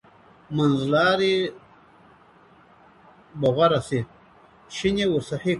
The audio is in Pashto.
منځلاری به غوره شي.